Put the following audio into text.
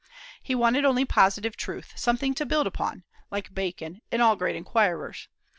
He wanted only positive truth, something to build upon, like Bacon and all great inquirers.